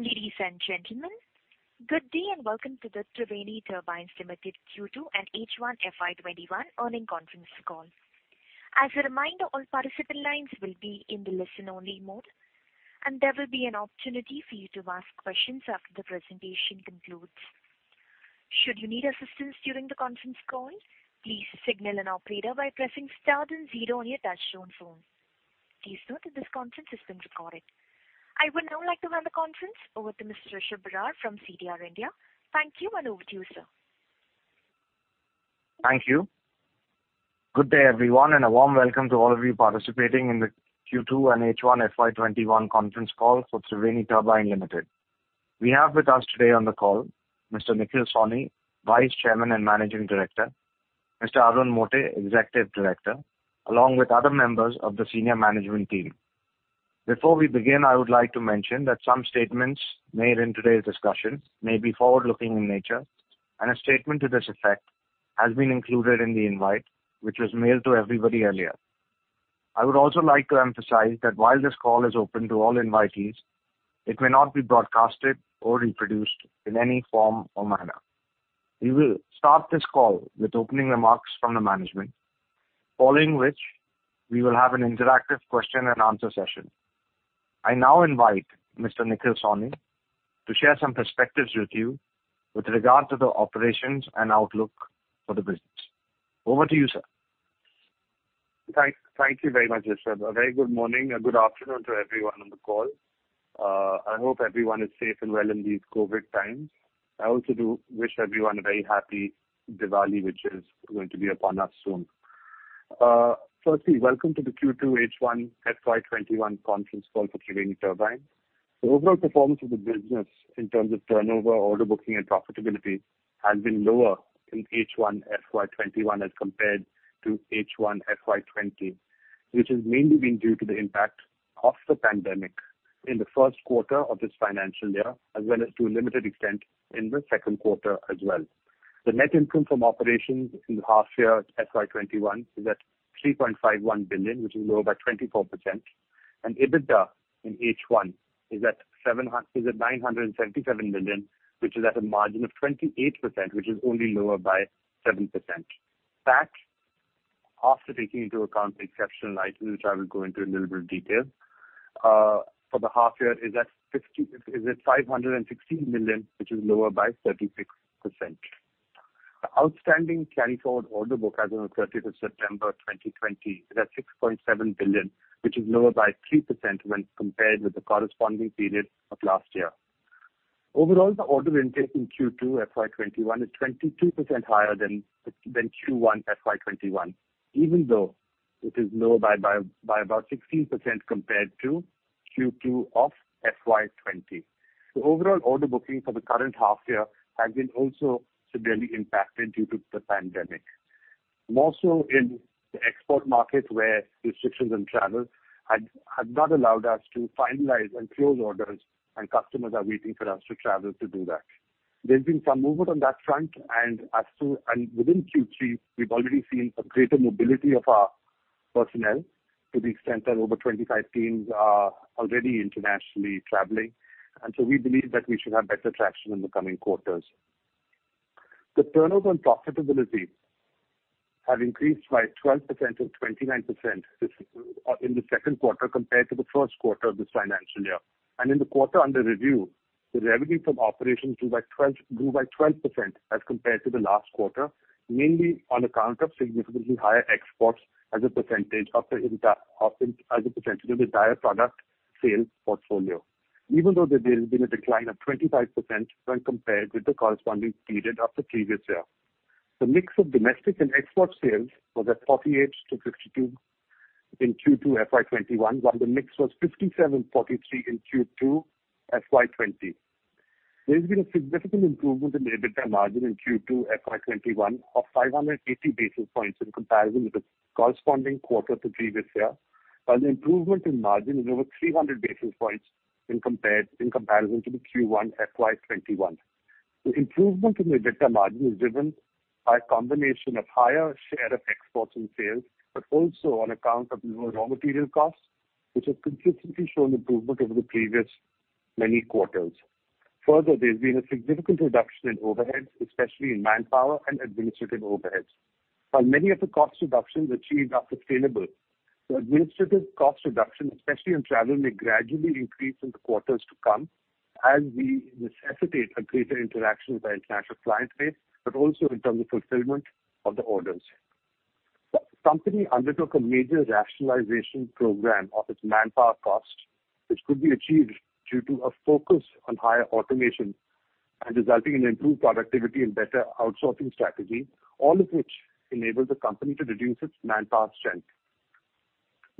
Ladies and gentlemen, good day and welcome to the Triveni Turbine Limited Q2 and H1 FY 2021 earning conference call. As a reminder, all participant lines will be in the listen-only mode, and there will be an opportunity for you to ask questions after the presentation concludes. Should you need assistance during the conference call, please signal an operator by pressing star then zero on your touchtone phone. Please note that this conference is being recorded. I would now like to hand the conference over to Mr. Surabhi Chandna from CDR India. Thank you, and over to you, sir. Thank you. Good day, everyone, and a warm welcome to all of you participating in the Q2 and H1 FY 2021 conference call for Triveni Turbine Limited. We have with us today on the call Mr. Nikhil Sawhney, Vice Chairman and Managing Director, Mr. Arun Mote, Executive Director, along with other members of the senior management team. Before we begin, I would like to mention that some statements made in today's discussion may be forward-looking in nature, and a statement to this effect has been included in the invite, which was mailed to everybody earlier. I would also like to emphasize that while this call is open to all invitees, it may not be broadcasted or reproduced in any form or manner. We will start this call with opening remarks from the management, following which we will have an interactive question-and-answer session. I now invite Mr. Nikhil Sawhney to share some perspectives with you with regard to the operations and outlook for the business. Over to you, sir. Thank you very much, Surabhi. A very good morning and good afternoon to everyone on the call. I hope everyone is safe and well in these COVID times. I also do wish everyone a very happy Diwali, which is going to be upon us soon. Welcome to the Q2 H1 FY 2021 conference call for Triveni Turbine. The overall performance of the business in terms of turnover, order booking, and profitability has been lower in H1 FY 2021 as compared to H1 FY 2020, which has mainly been due to the impact of the pandemic in the first quarter of this financial year, as well as to a limited extent in the second quarter as well. The net income from operations in the half year FY 2021 is at 3.51 billion, which is lower by 24%, and EBITDA in H1 is at 977 million, which is at a margin of 28%, which is only lower by 7%. PAT, after taking into account the exceptional items, which I will go into in a little bit of detail, for the half year is at 516 million, which is lower by 36%. The outstanding carryforward order book as on 30th September 2020 is at 6.7 billion, which is lower by 3% when compared with the corresponding period of last year. Overall, the order intake in Q2 FY 2021 is 22% higher than Q1 FY 2021, even though it is lower by about 16% compared to Q2 of FY 2020. Overall order booking for the current half year has been also severely impacted due to the pandemic. More so in the export market where restrictions on travel had not allowed us to finalize and close orders, and customers are waiting for us to travel to do that. There's been some movement on that front. Within Q3, we've already seen a greater mobility of our personnel to the extent that over 25 teams are already internationally traveling. We believe that we should have better traction in the coming quarters. The turnover and profitability have increased by 12% and 29% in the second quarter compared to the first quarter of this financial year. In the quarter under review, the revenue from operations grew by 12% as compared to the last quarter, mainly on account of significantly higher exports as a percentage of the entire product sales portfolio, even though there has been a decline of 25% when compared with the corresponding period of the previous year. The mix of domestic and export sales was at 48:52 in Q2 FY 2021, while the mix was 57:43 in Q2 FY 2020. There has been a significant improvement in the EBITDA margin in Q2 FY 2021 of 580 basis points in comparison with the corresponding quarter to previous year. The improvement in margin is over 300 basis points in comparison to the Q1 FY 2021. The improvement in the EBITDA margin is driven by a combination of higher share of exports and sales, but also on account of lower raw material costs, which have consistently shown improvement over the previous many quarters. Further, there has been a significant reduction in overheads, especially in manpower and administrative overheads. While many of the cost reductions achieved are sustainable, the administrative cost reduction, especially in travel, may gradually increase in the quarters to come as we necessitate a greater interaction with our international client base, but also in terms of fulfillment of the orders. The company undertook a major rationalization program of its manpower cost, which could be achieved due to a focus on higher automation and resulting in improved productivity and better outsourcing strategy, all of which enabled the company to reduce its manpower strength.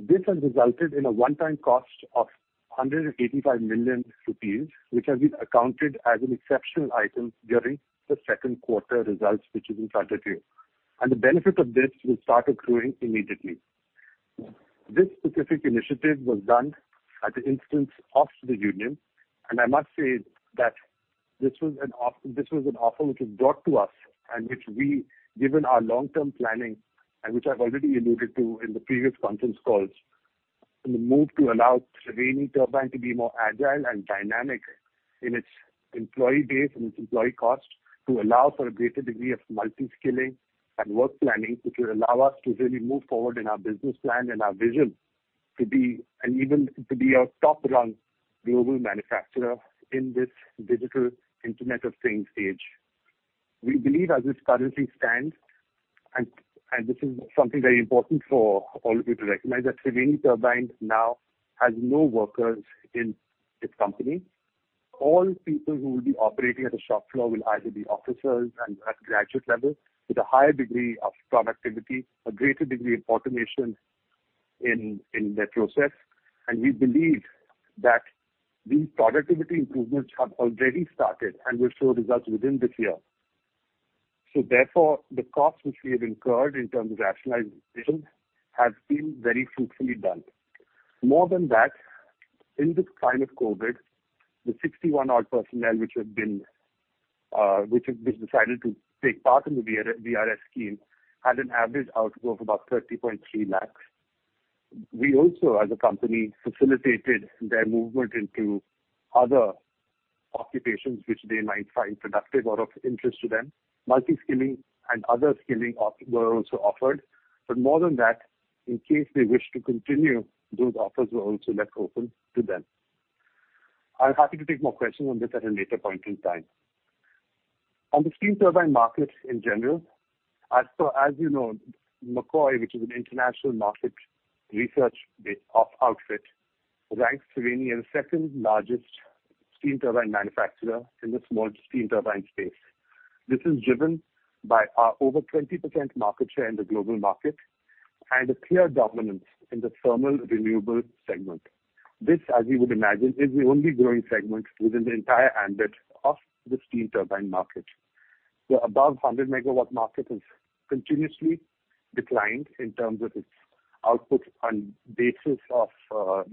This has resulted in a one-time cost of 185 million rupees, which has been accounted as an exceptional item during the second quarter results, which is in front of you. The benefit of this will start accruing immediately. This specific initiative was done at the instance of the union, and I must say that this was an offer which was brought to us and which we, given our long-term planning, and which I've already alluded to in the previous conference calls, in the move to allow Triveni Turbine to be more agile and dynamic in its employee base and its employee cost to allow for a greater degree of multi-skilling and work planning, which will allow us to really move forward in our business plan and our vision to be a top-rung global manufacturer in this digital Internet of Things age. We believe as this currently stands, and this is something very important for all of you to recognize, that Triveni Turbine now has no workers in its company. All people who will be operating at the shop floor will either be officers and at graduate level with a higher degree of productivity, a greater degree of automation in their process. We believe that these productivity improvements have already started and will show results within this year. Therefore, the cost which we have incurred in terms of rationalizing people has been very fruitfully done. More than that, in this time of COVID, the 61 odd personnel which have decided to take part in the VRS scheme, had an average outflow of about 30.3 lakhs. We also, as a company, facilitated their movement into other occupations which they might find productive or of interest to them. Multi-skilling and other skilling were also offered. More than that, in case they wish to continue, those offers were also left open to them. I'm happy to take more questions on this at a later point in time. On steam turbine market in general, as you know, McCoy, which is an international market research outfit, ranks Triveni as the steam turbine manufacturer in the steam turbine space. This is driven by our over 20% market share in the global market and a clear dominance in the Thermal Renewable segment. This, as you would imagine, is the only growing segment within the entire ambit of steam turbine market. The above 100 MW market has continuously declined in terms of its output on basis of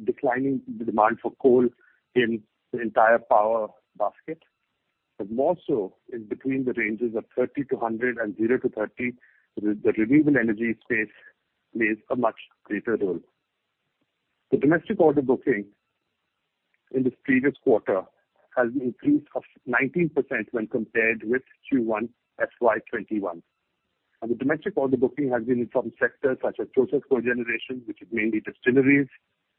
declining demand for coal in the entire power basket. More so in between the ranges of 30 MW to 100 MW and 0 MW to 30 MW, the renewable energy space plays a much greater role. The domestic order booking in this previous quarter has an increase of 19% when compared with Q1 FY 2021. The domestic order booking has been from sectors such as process cogeneration, which is mainly distilleries,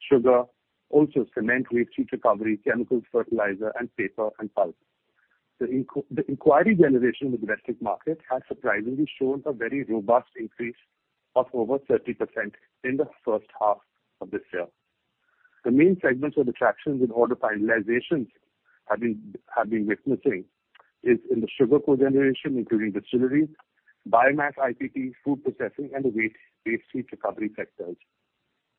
sugar, also cement waste heat recovery, chemical, fertilizer, and paper and pulp. The inquiry generation in the domestic market has surprisingly shown a very robust increase of over 30% in the first half of this year. The main segments of attractions in order finalizations have been witnessing is in the sugar cogeneration, including distilleries, biomass IPPs, food processing, and the waste heat recovery sectors.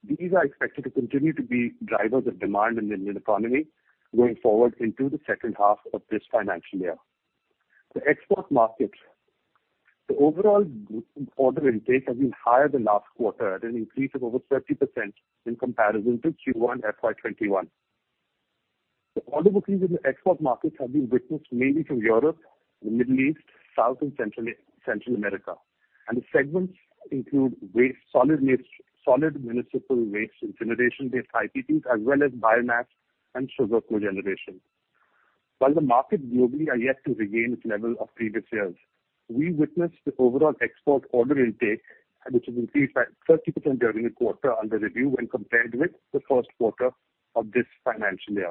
These are expected to continue to be drivers of demand in the Indian economy going forward into the second half of this financial year. The export markets. The overall order intake has been higher than last quarter at an increase of over 30% in comparison to Q1 FY 2021. The order bookings in the export markets have been witnessed mainly from Europe, the Middle East, South and Central America. The segments include solid municipal waste incineration-based IPPs, as well as biomass and sugar cogeneration. While the market globally are yet to regain its level of previous years, we witnessed the overall export order intake, which has increased by 30% during the quarter under review when compared with the first quarter of this financial year.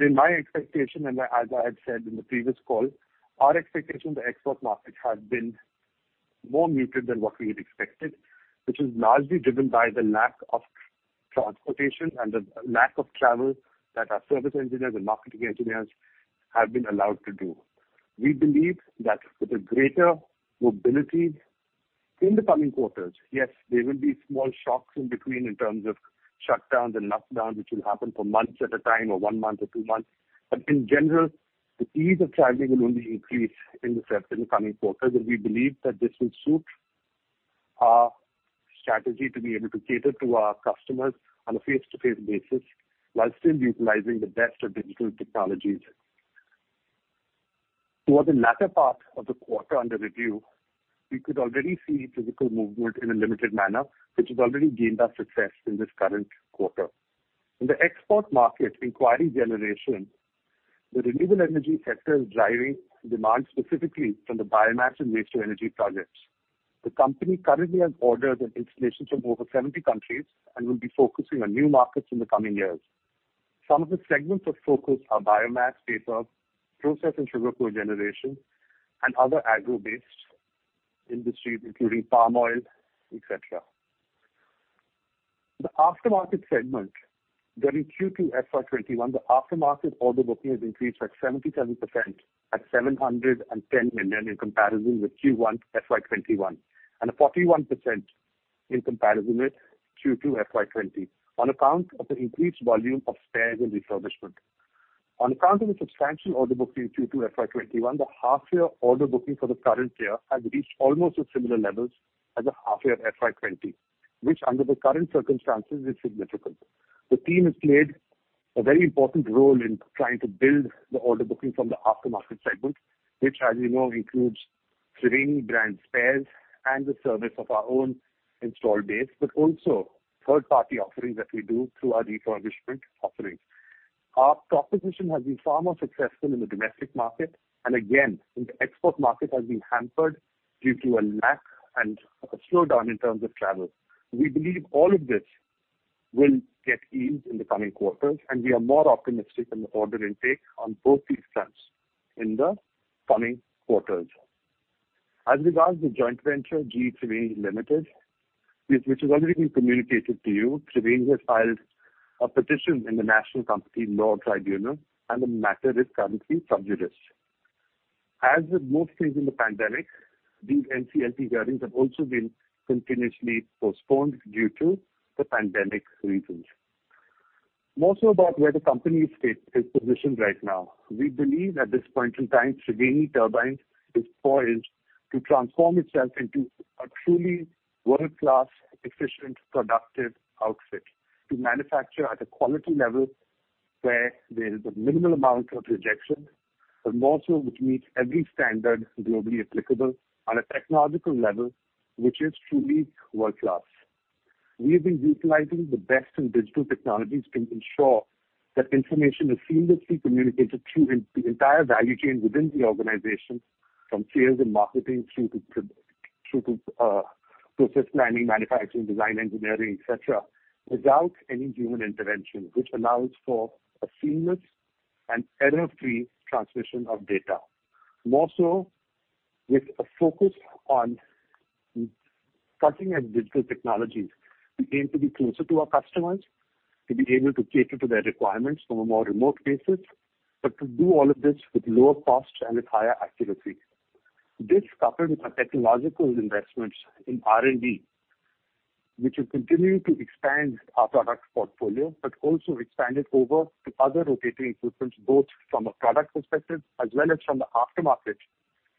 In my expectation, and as I had said in the previous call, our expectation in the export market has been more muted than what we had expected, which is largely driven by the lack of transportation and the lack of travel that our service engineers and marketing engineers have been allowed to do. We believe that with a greater mobility in the coming quarters, yes, there will be small shocks in between in terms of shutdowns and lockdowns, which will happen for months at a time or one month or two months, but in general, the ease of traveling will only increase in the coming quarters. We believe that this will suit our strategy to be able to cater to our customers on a face-to-face basis while still utilizing the best of digital technologies. Toward the latter part of the quarter under review, we could already see physical movement in a limited manner, which has already gained us success in this current quarter. In the export market inquiry generation, the renewable energy sector is driving demand specifically from the biomass and waste to energy projects. The company currently has orders and installations from over 70 countries and will be focusing on new markets in the coming years. Some of the segments of focus are biomass, paper, process cogeneration, and other agro-based industries, including palm oil, et cetera. The aftermarket segment during Q2 FY 2021, the aftermarket order booking has increased by 77% at 710 million in comparison with Q1 FY 2021, and a 41% in comparison with Q2 FY 2020 on account of the increased volume of spares and refurbishment. On account of the substantial order booking in Q2 FY 2021, the half year order booking for the current year has reached almost at similar levels as the half year FY 2020, which under the current circumstances is significant. The team has played a very important role in trying to build the order booking from the aftermarket segment, which as you know, includes Triveni brand spares and the service of our own install base, but also third-party offerings that we do through our refurbishment offerings. Our proposition has been far more successful in the domestic market, and again, in the export market has been hampered due to a lack and a slowdown in terms of travel. We believe all of this will get eased in the coming quarters, and we are more optimistic in the order intake on both these fronts in the coming quarters. As regards the joint venture, GE Triveni Limited, which has already been communicated to you, Triveni has filed a petition in the National Company Law Tribunal, and the matter is currently sub judice. As with most things in the pandemic, these NCLT hearings have also been continuously postponed due to the pandemic reasons. More so about where the company is positioned right now. We believe at this point in time, Triveni Turbine is poised to transform itself into a truly world-class, efficient, productive outfit to manufacture at a quality level where there is a minimal amount of rejection, but more so which meets every standard globally applicable on a technological level, which is truly world-class. We have been utilizing the best in digital technologies to ensure that information is seamlessly communicated through the entire value chain within the organization, from sales and marketing through to process planning, manufacturing, design, engineering, et cetera, without any human intervention, which allows for a seamless and error-free transmission of data. More so with a focus on cutting-edge digital technologies. We aim to be closer to our customers, to be able to cater to their requirements from a more remote basis, but to do all of this with lower costs and with higher accuracy. This, coupled with our technological investments in R&D, which will continue to expand our product portfolio but also expand it over to other rotating equipment, both from a product perspective as well as from the aftermarket,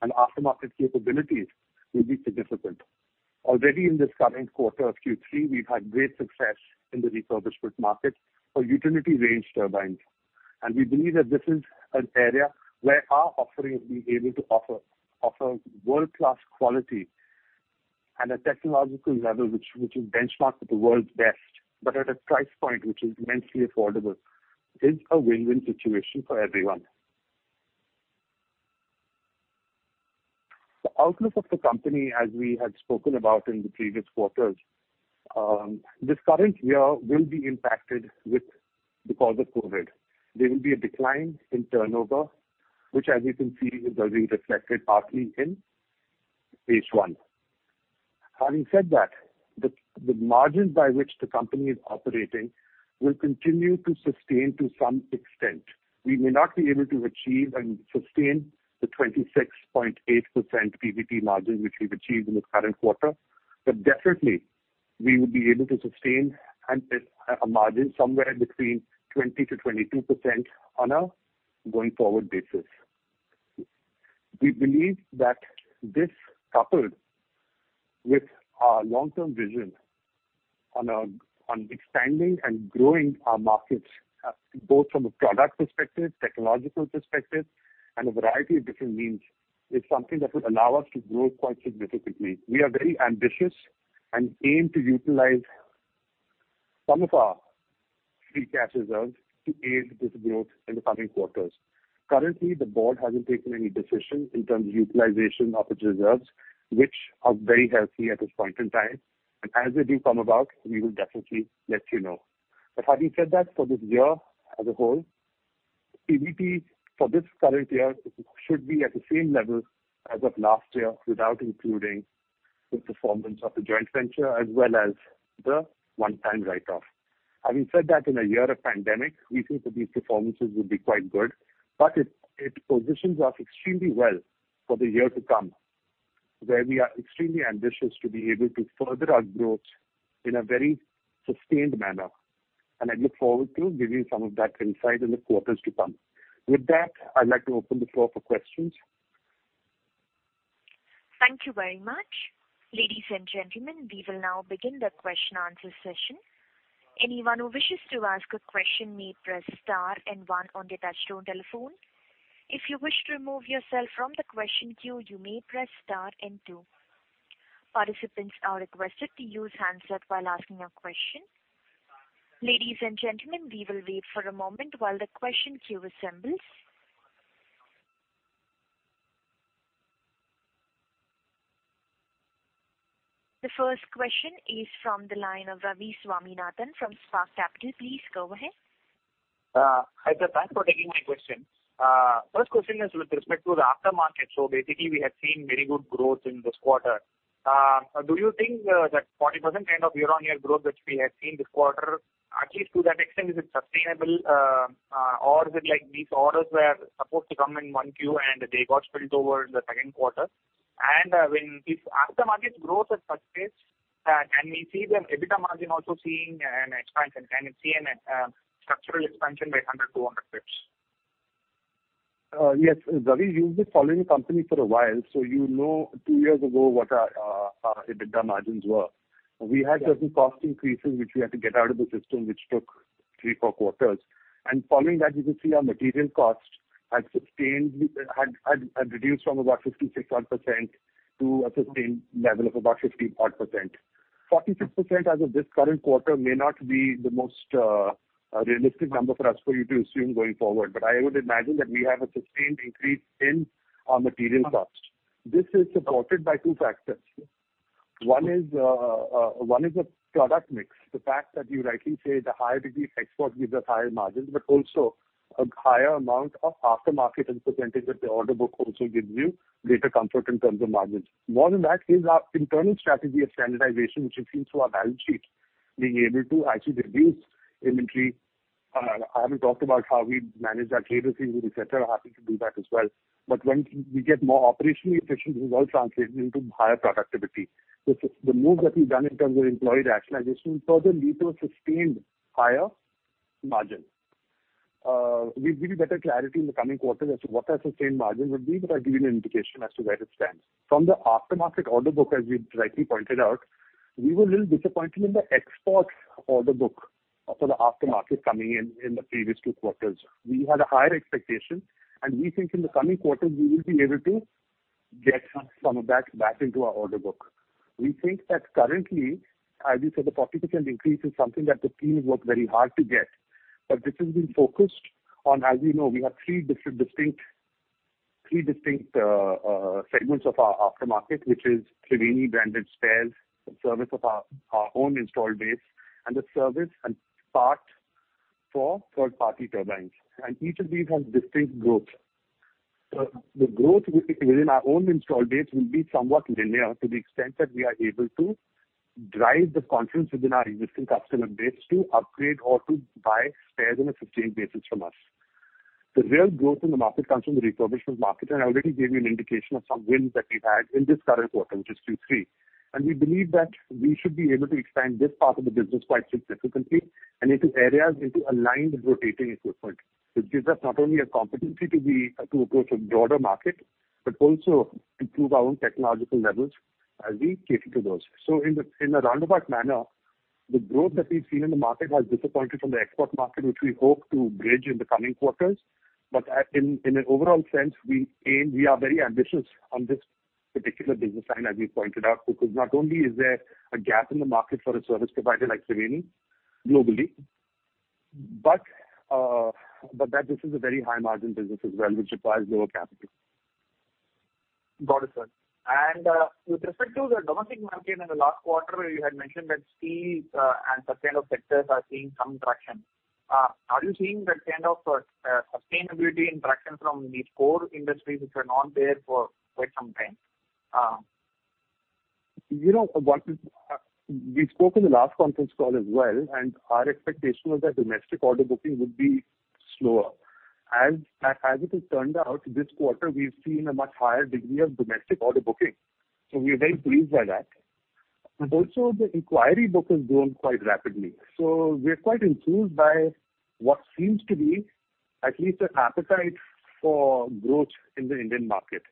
and aftermarket capabilities will be significant. Already in this current quarter of Q3, we've had great success in the refurbishment market for utility range turbines, and we believe that this is an area where our offering of being able to offer world-class quality at a technological level which will benchmark with the world's best, but at a price point which is immensely affordable, is a win-win situation for everyone. The outlook of the company, as we had spoken about in the previous quarters, this current year will be impacted because of COVID. There will be a decline in turnover, which as you can see, is already reflected partly in H1. Having said that, the margin by which the company is operating will continue to sustain to some extent. We may not be able to achieve and sustain the 26.8% PBT margin which we've achieved in the current quarter, but definitely we would be able to sustain a margin somewhere between 20%-22% on a going-forward basis. We believe that this, coupled with our long-term vision on expanding and growing our markets, both from a product perspective, technological perspective, and a variety of different means, is something that would allow us to grow quite significantly. We are very ambitious and aim to utilize some of our free cash reserves to aid this growth in the coming quarters. Currently, the board hasn't taken any decision in terms of utilization of its reserves, which are very healthy at this point in time. As they do come about, we will definitely let you know. Having said that, for this year as a whole, PBT for this current year should be at the same level as of last year, without including the performance of the joint venture as well as the one-time write-off. Having said that, in a year of pandemic, we think that these performances would be quite good, but it positions us extremely well for the year to come, where we are extremely ambitious to be able to further our growth in a very sustained manner. I look forward to giving some of that insight in the quarters to come. With that, I'd like to open the floor for questions. Thank you very much. Ladies and gentlemen, we will now begin the question-answer session. Anyone who wishes to ask a question may press star and one on their touchtone telephone. If you wish to remove yourself from the question queue, you may press star and two. Participants are requested to use handset while asking a question. Ladies and gentlemen, we will wait for a moment while the question queue assembles. The first question is from the line of Ravi Swaminathan from Spark Capital. Please go ahead. Hi, sir. Thanks for taking my question. First question is with respect to the aftermarket. Basically, we have seen very good growth in this quarter. Do you think that 40% kind of year-on-year growth that we have seen this quarter, at least to that extent, is it sustainable? Or is it like these orders were supposed to come in one queue and they got spilled over the second quarter? If aftermarket growth has such pace, and we see the EBITDA margin also seeing an expansion, can we see a structural expansion by 100, 200 basis? Yes, Ravi, you've been following the company for a while, so you know two years ago what our EBITDA margins were. We had certain cost increases, which we had to get out of the system, which took three, four quarters. Following that, you can see our material cost had reduced from about 56-odd percent to a sustained level of about 50-odd percent. 46% as of this current quarter may not be the most realistic number for us for you to assume going forward, but I would imagine that we have a sustained increase in our material cost. This is supported by two factors. One is the product mix. The fact that you rightly say the higher degree export gives us higher margins, but also a higher amount of aftermarket as a percentage of the order book also gives you greater comfort in terms of margins. More than that is our internal strategy of standardization, which you've seen through our balance sheet, being able to actually reduce inventory. I haven't talked about how we manage our trade receivables, et cetera. Happy to do that as well. When we get more operationally efficient, this all translates into higher productivity. The moves that we've done in terms of employee rationalization further lead to a sustained higher margin. We'll give you better clarity in the coming quarters as to what our sustained margins would be, but I've given you an indication as to where it stands. From the aftermarket order book, as you've rightly pointed out, we were a little disappointed in the export order book for the aftermarket coming in in the previous two quarters. We had a higher expectation, and we think in the coming quarters, we will be able to get some of that back into our order book. We think that currently, as you said, the 40% increase is something that the team has worked very hard to get, but this has been focused on, as we know, we have three distinct segments of our aftermarket, which is Triveni branded spares, the service of our own installed base, and the service and part for third-party turbines. Each of these has distinct growth. The growth within our own installed base will be somewhat linear to the extent that we are able to drive the confidence within our existing customer base to upgrade or to buy spares on a sustained basis from us. The real growth in the market comes from the refurbishments market. I already gave you an indication of some wins that we've had in this current quarter, which is Q3. We believe that we should be able to expand this part of the business quite significantly and into areas into aligned rotating equipment, which gives us not only a competency to approach a broader market, but also improve our own technological levels as we cater to those. In a roundabout manner, the growth that we've seen in the market has disappointed from the export market, which we hope to bridge in the coming quarters. In an overall sense, we are very ambitious on this particular business line, as we pointed out, because not only is there a gap in the market for a service provider like Triveni globally, but that this is a very high margin business as well, which requires lower capital. Got it, sir. With respect to the domestic market in the last quarter, you had mentioned that steels and such kind of sectors are seeing some traction. Are you seeing that kind of sustainability and traction from these core industries which were not there for quite some time? We spoke in the last conference call as well. Our expectation was that domestic order booking would be slower. As it has turned out, this quarter we've seen a much higher degree of domestic order booking. We are very pleased by that. Also the inquiry book has grown quite rapidly. We are quite enthused by what seems to be at least an appetite for growth in the Indian market.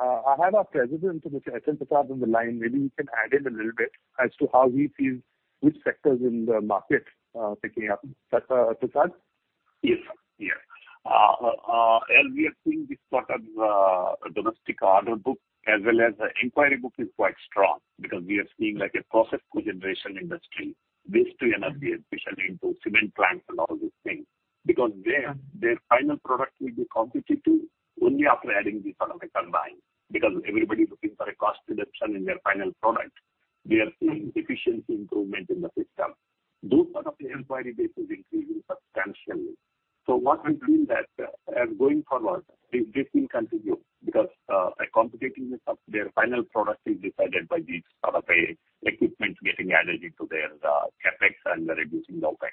I have our President, Mr. S.N. Prasad, on the line. Maybe he can add in a little bit as to how he feels which sector is in the market picking up. Prasad? Yes. As we are seeing this sort of domestic order book, as well as the inquiry book is quite strong because we are seeing like a process cogeneration industry based energy, especially into cement plants and all these things. Because there, their final product will be competitive only after adding this sort of a turbine, because everybody's looking for a cost reduction in their final product. We are seeing efficiency improvement in the system. Those sort of the inquiry base is increasing substantially. What we feel that as going forward is this will continue because a competitiveness of their final product is decided by these sort of equipment getting added into their CapEx and reducing OPEX.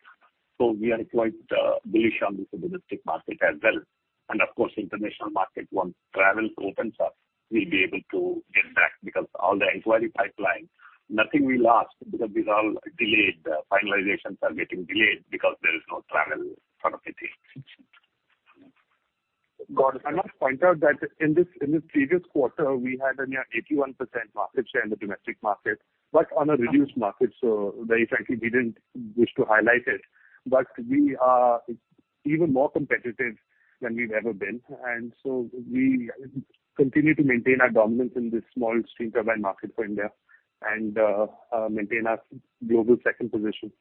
We are quite bullish on this domestic market as well. Of course, international market, once travel opens up, we'll be able to get back because all the inquiry pipeline, nothing we lost because these are all delayed. The finalizations are getting delayed because there is no travel sort of it is. Got it. I must point out that in the previous quarter, we had a near 81% market share in the domestic market, but on a reduced market, so very frankly, we didn't wish to highlight it. We are even more competitive than we've ever been. We continue to maintain our dominance in this steam turbine market for India and maintain our global second position.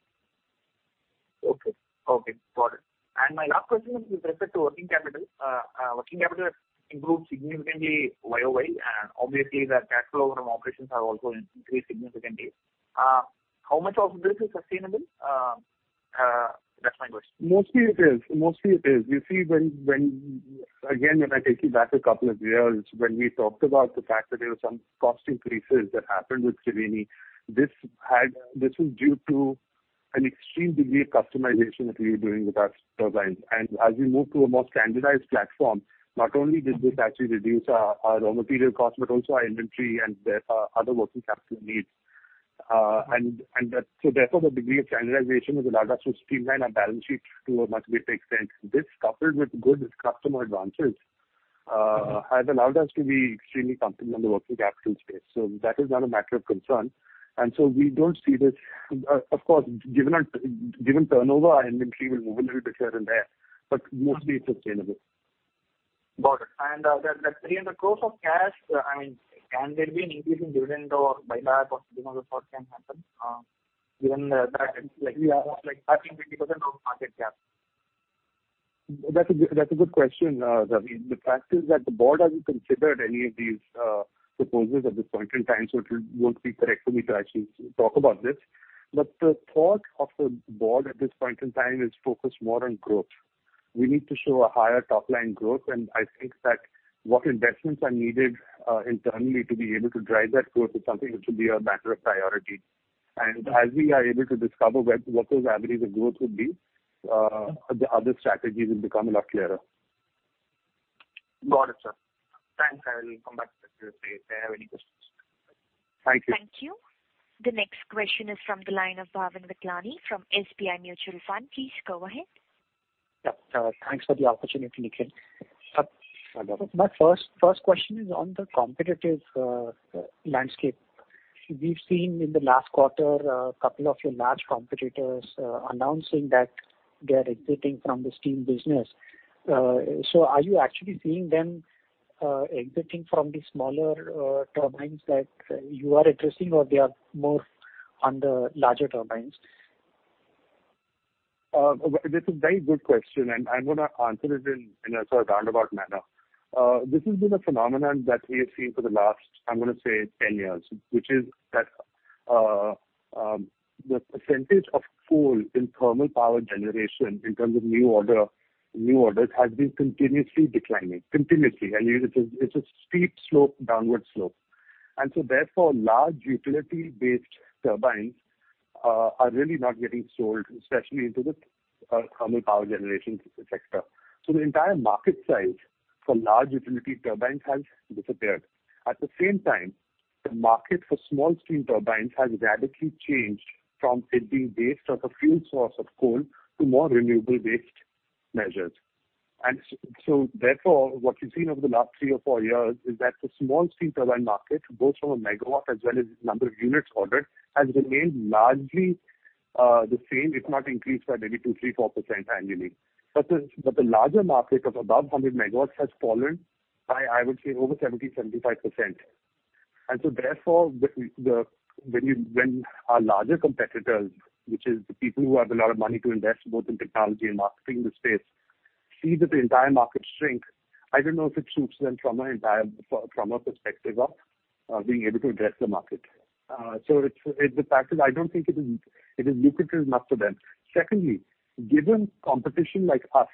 Okay. Got it. My last question is with respect to working capital. Working capital has improved significantly YoY, and obviously the cash flow from operations has also increased significantly. How much of this is sustainable? That's my question. Mostly it is. You see, again, when I take you back a couple of years, when we talked about the fact that there were some cost increases that happened with Triveni, this was due to an extreme degree of customization that we were doing with our turbines. As we moved to a more standardized platform, not only did this actually reduce our raw material cost, but also our inventory and other working capital needs. The degree of standardization has allowed us to streamline our balance sheets to a much greater extent. This, coupled with good customer advances, has allowed us to be extremely comfortable in the working capital space. That is not a matter of concern. We don't see this. Of course, given turnover, our inventory will move a little bit here and there, but mostly it's sustainable. Got it. That 300 crore of cash, can there be an increase in dividend or buyback or some other thought can happen given that it's like 30%-50% of the market cap? That's a good question, Ravi. The fact is that the board hasn't considered any of these proposals at this point in time, so it won't be correct for me to actually talk about this. The thought of the board at this point in time is focused more on growth. We need to show a higher top-line growth. I think that what investments are needed internally to be able to drive that growth is something which will be a matter of priority. As we are able to discover what those avenues of growth would be, the other strategies will become a lot clearer. Got it, sir. Thanks. I will come back to you if I have any questions. Thank you. Thank you. The next question is from the line of Bhavin Vithlani from SBI Mutual Fund. Please go ahead. Yeah. Thanks for the opportunity, Nikhil. Hi, Bhavin. My first question is on the competitive landscape. We've seen in the last quarter a couple of your large competitors announcing that they are exiting from the steam business. Are you actually seeing them exiting from the smaller turbines that you are addressing, or they are more on the larger turbines? That's a very good question, and I'm going to answer it in a sort of roundabout manner. This has been a phenomenon that we have seen for the last, I'm going to say 10 years, which is that the percentage of coal in thermal power generation in terms of new orders has been continuously declining. Continuously. It's a steep slope, downward slope. Therefore, large utility-based turbines are really not getting sold, especially into the thermal power generation sector. The entire market size for large utility turbines has disappeared. At the same time, the market for steam turbines has radically changed from it being based on the fuel source of coal to more renewable-based measures. Therefore, what we've seen over the last three or four years is that the steam turbine market, both from a megawatt as well as number of units ordered, has remained largely the same. It might increase by maybe 2%, 3%, 4% annually. The larger market of above 100 MW has fallen by, I would say, over 70%, 75%. Therefore, when our larger competitors, which is the people who have a lot of money to invest both in technology and marketing the space, see that the entire market shrink, I don't know if it suits them from a perspective of being able to address the market. The fact is I don't think it is lucrative enough for them. Secondly, given competition like us,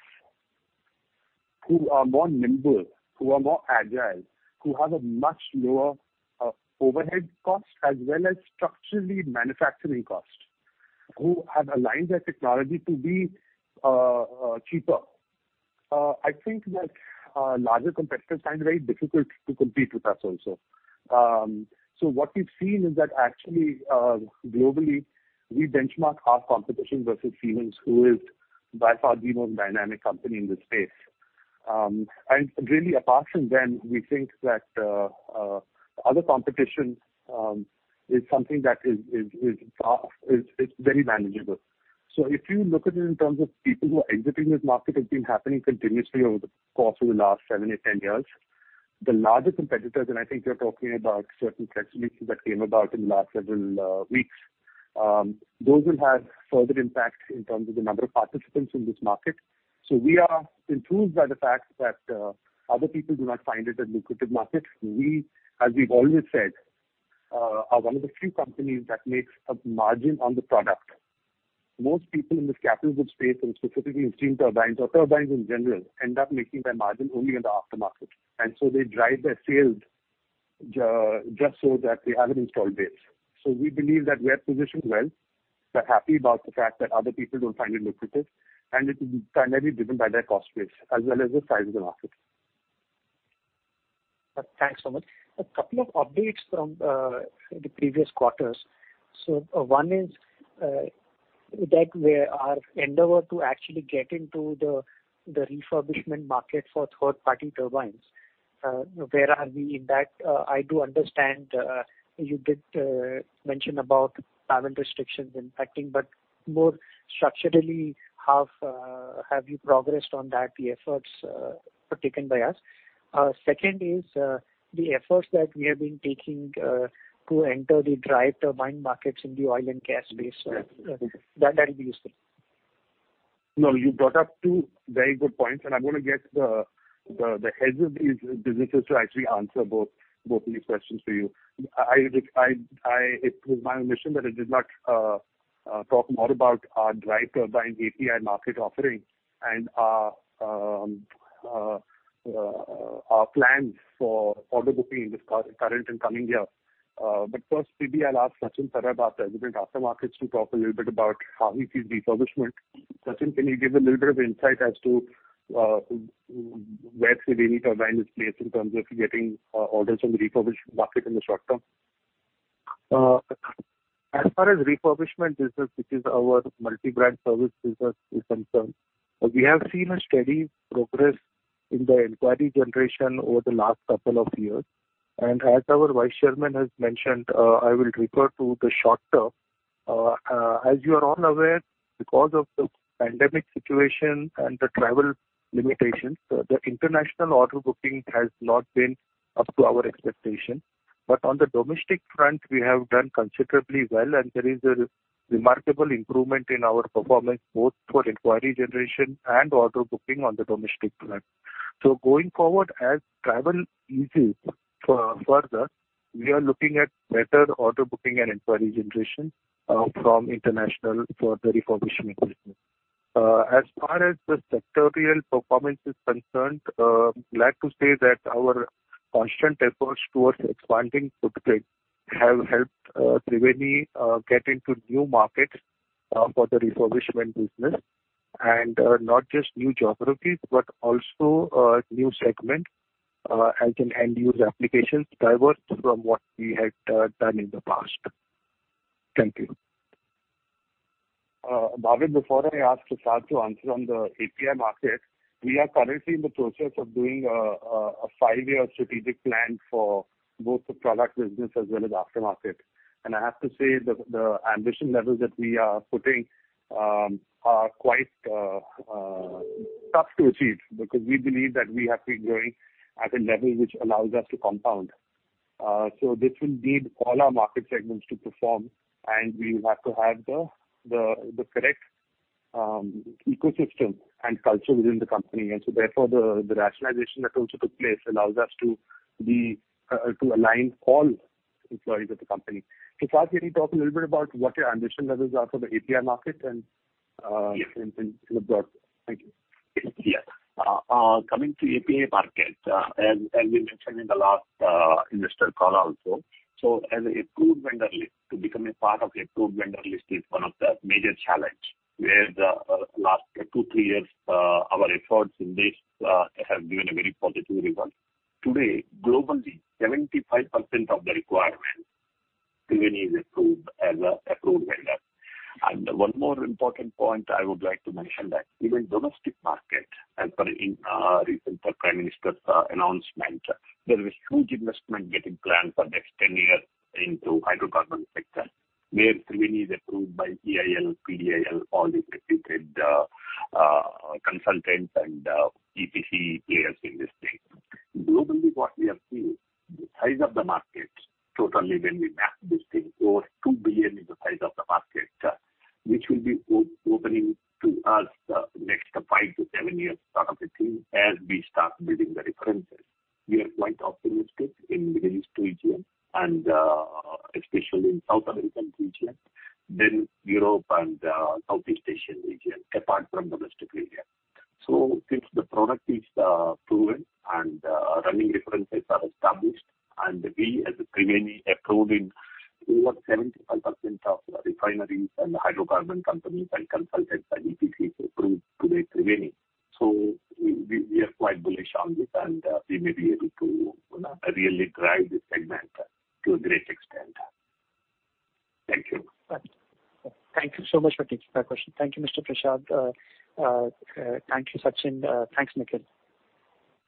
who are more nimble, who are more agile, who have a much lower overhead cost as well as structurally manufacturing cost, who have aligned their technology to be cheaper, I think that larger competitors find it very difficult to compete with us also. What we've seen is that actually, globally, we benchmark our competition versus Siemens, who is by far the most dynamic company in this space. Really apart from them, we think that other competition is something that is very manageable. If you look at it in terms of people who are exiting this market, it's been happening continuously over the course of the last seven or 10 years. The larger competitors, I think you're talking about certain press releases that came about in the last several weeks. Those will have further impacts in terms of the number of participants in this market. We are enthused by the fact that other people do not find it a lucrative market. We, as we've always said, are one of the few companies that makes a margin on the product. Most people in this capital goods space, and specifically steam turbines or turbines in general, end up making their margin only in the aftermarket. They drive their sales just so that they have an install base. We believe that we're positioned well. We're happy about the fact that other people don't find it lucrative, and it is primarily driven by their cost base as well as the size of the market. Thanks so much. A couple of updates from the previous quarters. One is that our endeavor to actually get into the refurbishment market for third-party turbines. Where are we in that? I do understand you did mention about patent restrictions impacting, but more structurally, how have you progressed on that, the efforts taken by us? Second is the efforts that we have been taking to enter the drive turbine markets in the oil and gas space. That'll be useful. You brought up two very good points, and I'm going to get the heads of these businesses to actually answer both of these questions for you. It was my omission that I did not talk more about our drive turbine API market offering and our plans for order booking in this current and coming year. First, maybe I'll ask Sachin Parab, our President, Aftermarkets, to talk a little bit about how he sees refurbishment. Sachin, can you give a little bit of insight as to where Triveni Turbine is placed in terms of getting orders from the refurbishment market in the short term? As far as refurbishment business, which is our multi-brand service business, is concerned, we have seen a steady progress in the inquiry generation over the last couple of years. As our Vice Chairman has mentioned, I will refer to the short term. As you are all aware, because of the pandemic situation and the travel limitations, the international order booking has not been up to our expectation. On the domestic front, we have done considerably well, and there is a remarkable improvement in our performance, both for inquiry generation and order booking on the domestic front. Going forward, as travel eases further, we are looking at better order booking and inquiry generation from international for the refurbishment business. As far as the sectorial performance is concerned, glad to say that our constant efforts towards expanding footprint have helped Triveni get into new markets for the refurbishment business. Not just new geographies, but also new segments as an end-use application, diverse from what we had done in the past. Thank you. Bhavin, before I ask Prasad to answer on the API market, we are currently in the process of doing a five-year strategic plan for both the product business as well as aftermarket. I have to say, the ambition levels that we are putting are quite tough to achieve, because we believe that we have to be growing at a level which allows us to compound. This will need all our market segments to perform, and we have to have the correct ecosystem and culture within the company. Therefore, the rationalization that also took place allows us to align all employees of the company. Prasad, can you talk a little bit about what your ambition levels are for the API market. Yes. In the broad? Thank you. Yes. Coming to API market, as we mentioned in the last investor call also. As approved vendor list, to become a part of approved vendor list is one of the major challenge, where the last two, three years, our efforts in this have given a very positive result. Today, globally, 75% of the requirement, Triveni is approved as a approved vendor. One more important point I would like to mention, that even domestic market, as per recent Prime Minister's announcement, there is huge investment getting planned for next 10 years into hydrocarbon sector, where Triveni is approved by EIL, PDIL, all the reputed consultants and EPC players in the state. Globally, what we have seen, the size of the market, totally when we map this thing, over $2 billion is the size of the market, which will be opening to us the next five to seven years sort of a thing, as we start building the references. We are quite optimistic in Middle East region and especially in South American region, then Europe and Southeast Asian region, apart from domestic India. Since the product is proven and running references are established and we as Triveni approved in over 75% of refineries and hydrocarbon companies and consultants and EPCs approved today Triveni. We are quite bullish on this, and we may be able to really drive this segment to a great extent. Thank you. Thank you. Thank you so much for taking that question. Thank you, Mr. Prasad. Thank you, Sachin. Thanks, Nikhil.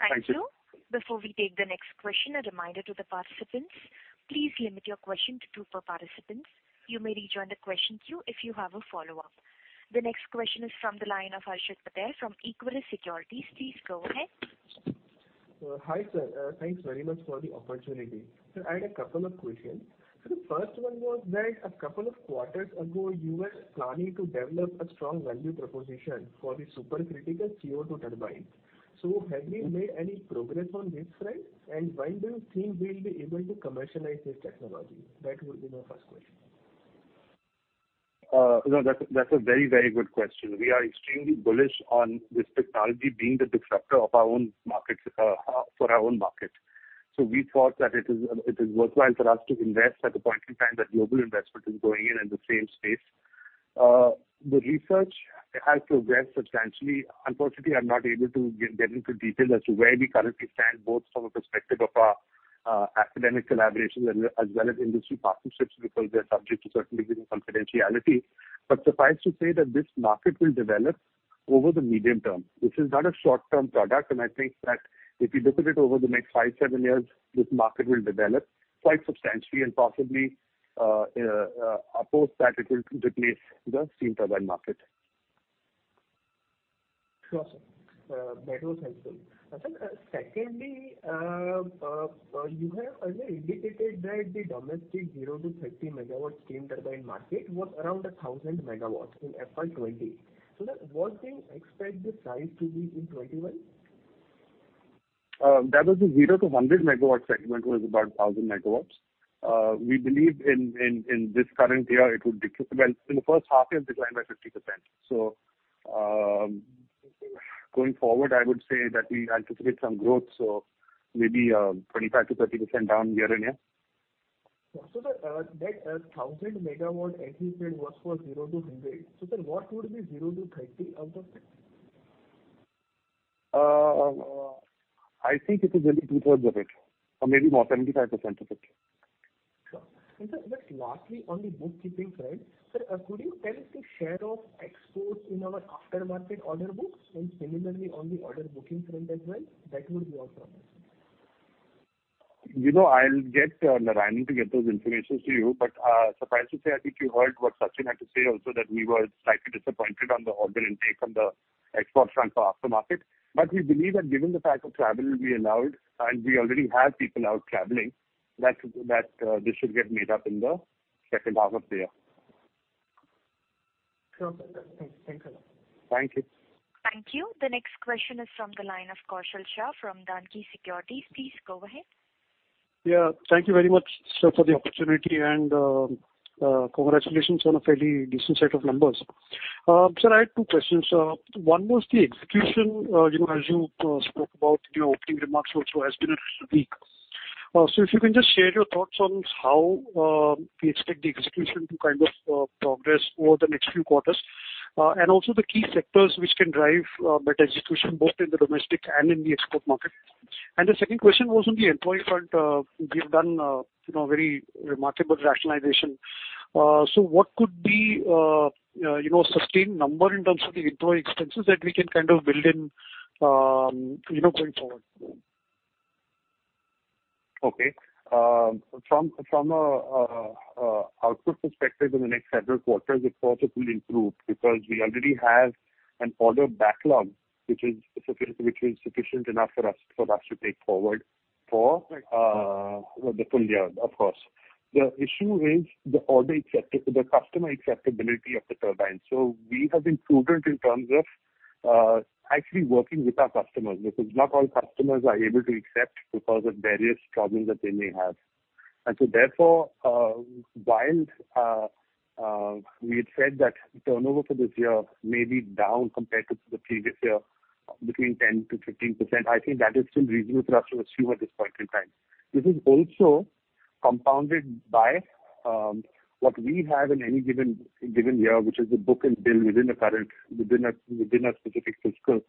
Thank you. Thank you. Before we take the next question, a reminder to the participants, please limit your question to two per participant. You may rejoin the question queue if you have a follow-up. The next question is from the line of Harshit Patel from Equirus Securities. Please go ahead. Hi, sir. Thanks very much for the opportunity. Sir, I had a couple of questions. Sir, the first one was that a couple of quarters ago, you were planning to develop a strong value proposition for the supercritical CO2 turbine. Have we made any progress on this front? When do you think we'll be able to commercialize this technology? That would be my first question. No, that's a very good question. We are extremely bullish on this technology being the disruptor for our own market. We thought that it is worthwhile for us to invest at a point in time that global investment is going in the same space. The research has progressed substantially. Unfortunately, I am not able to get into detail as to where we currently stand, both from a perspective of our academic collaborations as well as industry partnerships, because they are subject to a certain degree of confidentiality. Suffice to say that this market will develop over the medium term. This is not a short-term product, and I think that if you look at it over the next five, seven years, this market will develop quite substantially and possibly suppose that it will replace steam turbine market. Sure, sir. That was helpful. Sir, secondly, you have earlier indicated that the domestic 0 to 30 steam turbine market was around 1,000 MW in FY 2020. What do you expect the size to be in 2021? That was the 0 MW to 100 MW segment was about 1,000 MW. We believe in this current year it would decrease. Well, in the first half, it declined by 50%. Going forward, I would say that we anticipate some growth, so maybe 25%-30% down year-on-year. That 1,000 MW entire field was for 0 MW to 100 MW. What would be 0 MW to 30 MW out of it? I think it is only 2/3 of it, or maybe about 75% of it. Sure. Sir, just lastly, on the bookkeeping front, sir, could you tell us the share of exports in our aftermarket order books and similarly on the order booking front as well? That would be all from us. I'll get Narayana to get those informations to you. Suffice to say, I think you heard what Sachin had to say also that we were slightly disappointed on the order intake on the export front for aftermarket. We believe that given the fact of travel will be allowed, and we already have people out traveling, that this should get made up in the second half of the year. Sure, sir. Thanks a lot. Thank you. Thank you. The next question is from the line of Kaushal Shah from Dhanki Securities. Please go ahead. Yeah. Thank you very much, sir, for the opportunity, congratulations on a fairly decent set of numbers. Sir, I had two questions. One was the execution, as you spoke about in your opening remarks also has been a little weak. If you can just share your thoughts on how we expect the execution to progress over the next few quarters, also the key sectors which can drive better execution both in the domestic and in the export market. The second question was on the employee front. You've done very remarkable rationalization. What could be a sustained number in terms of the employee expenses that we can build in, going forward? Okay. From a output perspective in the next several quarters, it ought to improve because we already have an order backlog, which is sufficient enough for us to take forward for the full year, of course. The issue is the customer acceptability of the turbine. We have been prudent in terms of actually working with our customers, because not all customers are able to accept because of various problems that they may have. Therefore, whilst we had said that turnover for this year may be down compared to the previous year, between 10%-15%, I think that is still reasonable for us to assume at this point in time. This is also compounded by what we have in any given year, which is the book-to-bill within a specific fiscal.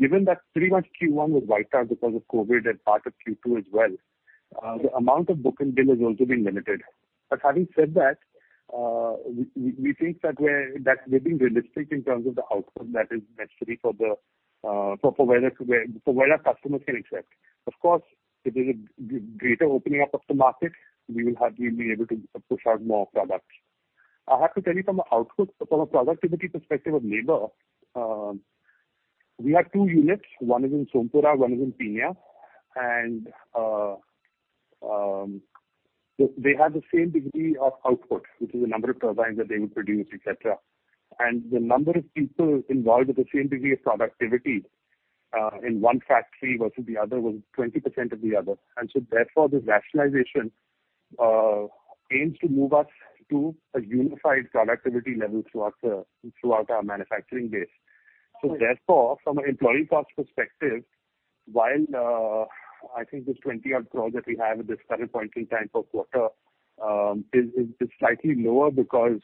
Given that pretty much Q1 was wiped out because of COVID and part of Q2 as well, the amount of book and bill has also been limited. Having said that, we think that we're being realistic in terms of the outcome that is necessary for where our customers can accept. Of course, if there's a greater opening up of the market, we will be able to push out more products. I have to tell you from a output, from a productivity perspective of labor, we have two units. One is in Sompura, one is in Peenya. They have the same degree of output, which is the number of turbines that they would produce, et cetera. The number of people involved with the same degree of productivity in one factory versus the other was 20% of the other. This rationalization aims to move us to a unified productivity level throughout our manufacturing base. From an employee cost perspective, while I think the 20 odd crore that we have at this current point in time for quarter is slightly lower because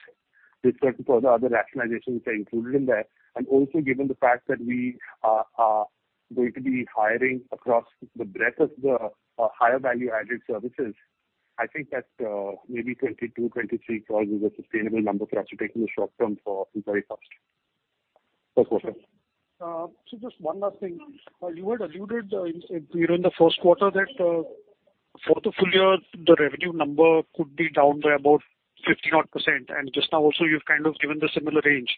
this quarter, for the other rationalizations are included in that. Also given the fact that we are going to be hiring across the breadth of the higher value-added services. I think that maybe 22 crore-23 crore is a sustainable number for us to take in the short term for employee cost per quarter. Sir, just one last thing. You had alluded in the first quarter that for the full year, the revenue number could be down by about 50%, and just now also you've given the similar range.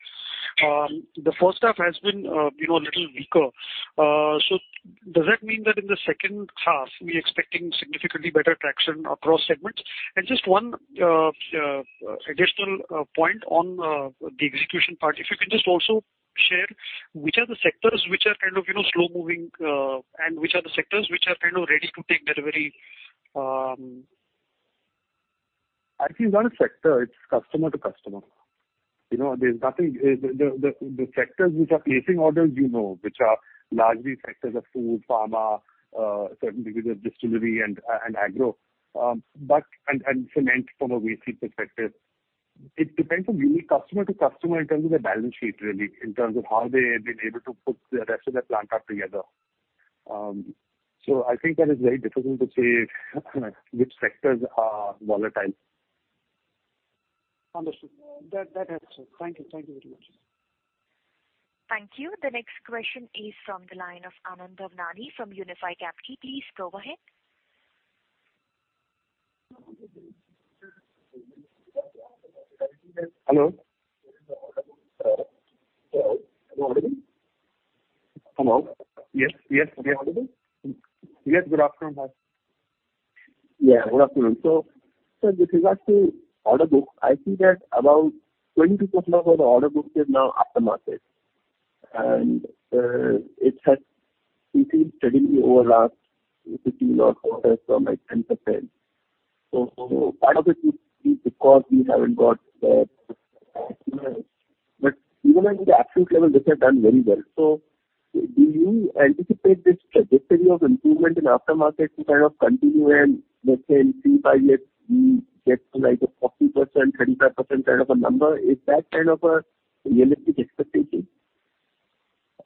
The first half has been a little weaker. Does that mean that in the second half, we are expecting significantly better traction across segments? Just one additional point on the execution part. If you can just also share which are the sectors which are slow moving, and which are the sectors which are ready to take delivery? Actually, it's not a sector, it's customer to customer. The sectors which are placing orders you know, which are largely sectors of food, pharma, a certain degree of distillery and agro, and cement from a basic perspective. It depends on customer to customer in terms of their balance sheet really, in terms of how they've been able to put the rest of their plant up together. I think that is very difficult to say which sectors are volatile. Understood. That helps, sir. Thank you. Thank you very much. Thank you. The next question is from the line of Anand Bhavnani from Unifi Capital. Please go ahead. Hello. Hello. Hello. Hello. Hello. Yes. Yes. I'm I audible? Yes. Good afternoon. Yeah. Good afternoon. Sir, with regards to order book, I see that about 20% of all the order books is now aftermarket. It has increased steadily over last 15 odd quarters from like 10%. Even in the absolute level, they have done very well. Do you anticipate this trajectory of improvement in aftermarket to kind of continue and, let's say, in three, five years, we get to a 40%, 35% kind of a number? Is that kind of a realistic expectation?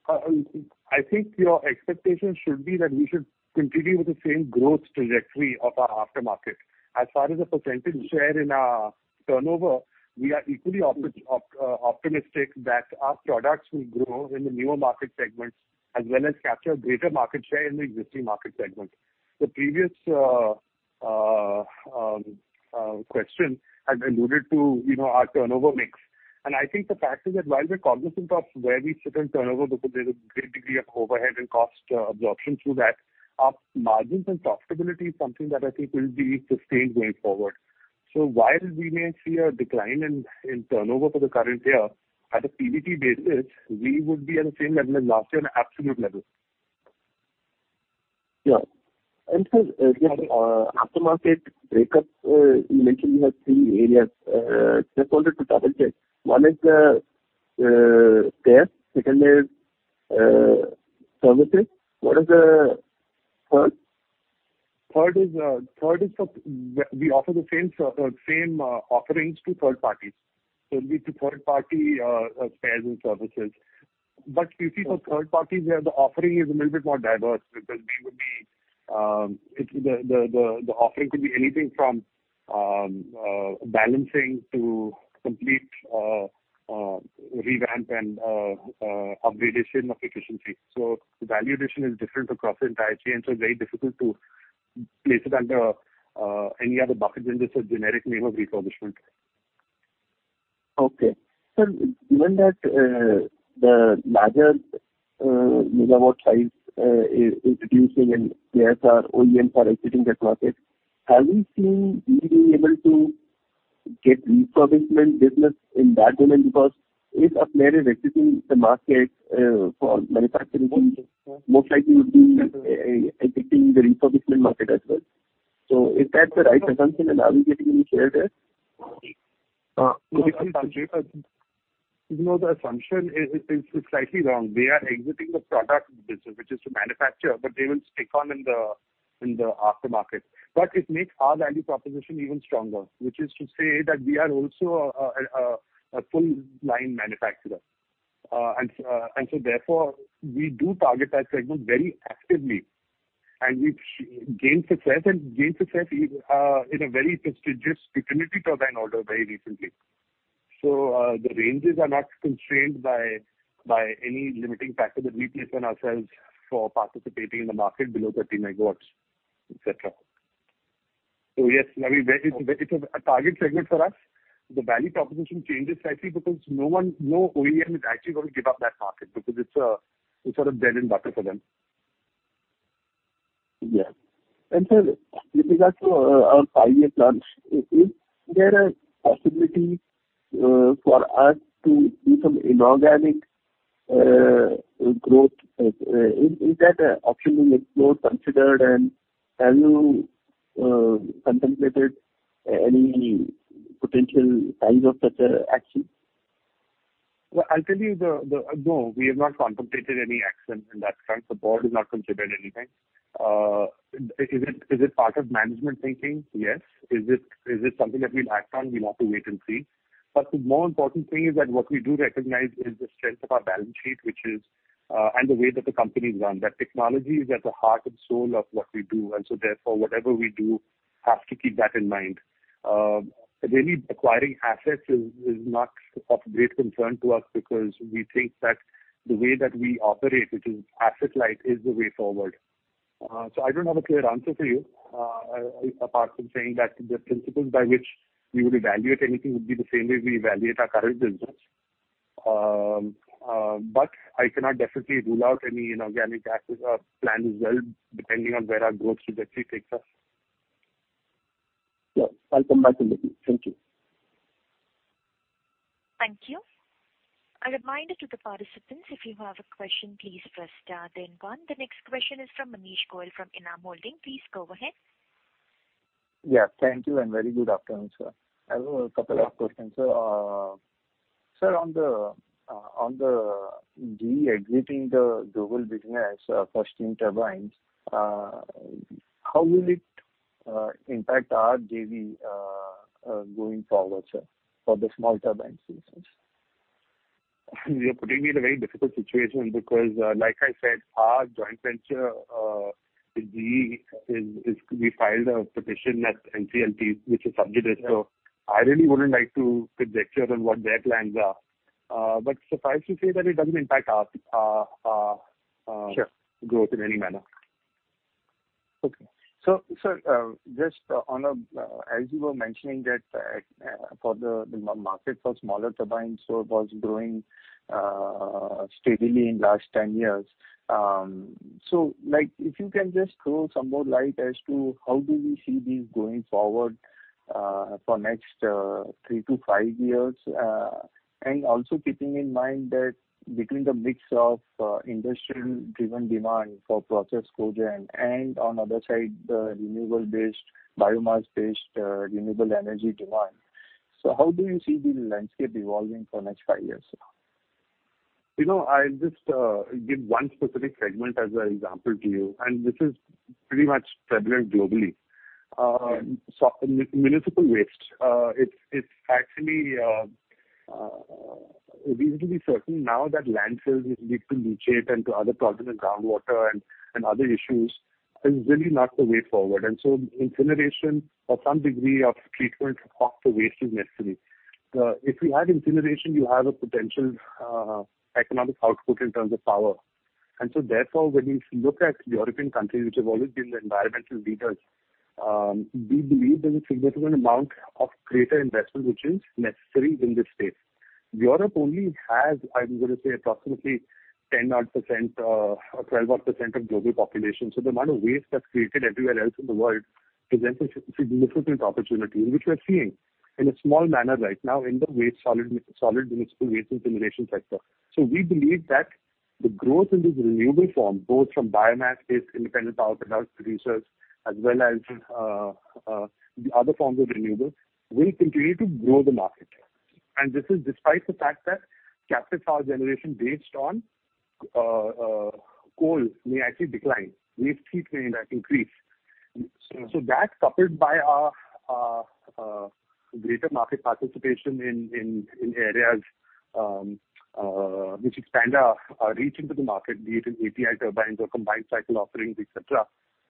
I think your expectation should be that we should continue with the same growth trajectory of our Aftermarket. As far as the % share in our turnover, we are equally optimistic that our products will grow in the newer market segments as well as capture greater market share in the existing market segment. The previous question had alluded to our turnover mix. I think the fact is that while we're cognizant of where we sit in turnover because there's a great degree of overhead and cost absorption through that, our margins and profitability is something that I think will be sustained going forward. While we may see a decline in turnover for the current year, at a PBT basis, we would be at the same level as last year in absolute numbers. Yeah. Sir, the Aftermarket breakup, you mentioned you have three areas. Just wanted to double-check. One is spares, second is services. What is the third? Third is we offer the same offerings to third parties. It'll be to third party spares and services. You see for third parties, where the offering is a little bit more diverse because the offering could be anything from balancing to complete revamp and upgradation of efficiency. The value addition is different across the entire chain, so it's very difficult to place it under any other bucket than just a generic name of refurbishment. Okay. Sir, given that the larger megawatt size is reducing and DSR OEMs are exiting that market, have you seen GE able to get refurbishment business in that domain? If a player is exiting the market for manufacturing, most likely would be exiting the refurbishment market as well. Is that the right assumption and are we getting any share there? No, the assumption is slightly wrong. They are exiting the product business, which is to manufacture, but they will stay on in the aftermarket. It makes our value proposition even stronger, which is to say that we are also a full-line manufacturer. Therefore, we do target that segment very actively and we've gained success, and gained success in a very prestigious Triveni Turbine order very recently. The ranges are not constrained by any limiting factor that we place on ourselves for participating in the market below 30 MW, et cetera. Yes, it's a target segment for us. The value proposition changes slightly because no OEM is actually going to give up that market because it's sort of bread and butter for them. Yeah. Sir, with regards to our five-year plans, is there a possibility for us to do some inorganic growth? Is that option being explored, considered, and have you contemplated any potential kinds of such action? Well, I'll tell you, no, we have not contemplated any action in that front. The board has not considered anything. Is it part of management thinking? Yes. Is it something that we'll act on? We'll have to wait and see. The more important thing is that what we do recognize is the strength of our balance sheet and the way that the company is run. That technology is at the heart and soul of what we do. Therefore, whatever we do have to keep that in mind. Really acquiring assets is not of great concern to us because we think that the way that we operate, which is asset-light, is the way forward. I don't have a clear answer for you apart from saying that the principles by which we would evaluate anything would be the same way we evaluate our current business. I cannot definitely rule out any inorganic assets or plan as well, depending on where our growth trajectory takes us. Yes. I'll come back to this. Thank you. Thank you. A reminder to the participants, if you have a question, please press star then one. The next question is from Manish Goyal from ENAM Holdings. Please go ahead. Yeah. Thank you and very good afternoon, sir. I have a couple of questions. Sir, on the GE exiting the global business, 1st-tier turbines, how will it impact our JV going forward, sir, for the small turbine business? You're putting me in a very difficult situation because, like I said, our joint venture with GE is we filed a petition at NCLT, which is subjudice. I really wouldn't like to conjecture on what their plans are. Suffice to say that it doesn't impact our- Sure growth in any manner. Okay. Sir, as you were mentioning that for the market for smaller turbines, it was growing steadily in last 10 years. If you can just throw some more light as to how do we see these going forward for next three to five years, and also keeping in mind that between the mix of industrial driven demand for process cogen and on other side, the renewable based, biomass based renewable energy demand. How do you see the landscape evolving for next five years? I'll just give one specific segment as an example to you, and this is pretty much prevalent globally. Yes. Municipal waste. It's actually reasonably certain now that landfills which lead to leachate and to other problems in groundwater and other issues is really not the way forward. Incineration or some degree of treatment of the waste is necessary. If you have incineration, you have a potential economic output in terms of power. Therefore, when you look at European countries, which have always been the environmental leaders, we believe there's a significant amount of greater investment which is necessary in this space. Europe only has, I'm going to say, approximately 10-odd% or 12-odd percent of global population. The amount of waste that's created everywhere else in the world presents a significant opportunity, which we are seeing in a small manner right now in the solid municipal waste incineration sector. We believe that the growth in this renewable form, both from biomass-based Independent Power Producers, as well as the other forms of renewables, will continue to grow the market. This is despite the fact that captive power generation based on coal may actually decline. Waste treatment may increase. That, coupled by our greater market participation in areas which expand our reach into the market, be it in API turbines or combined cycle offerings, et cetera,